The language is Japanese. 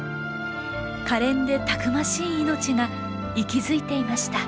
可憐でたくましい命が息づいていました。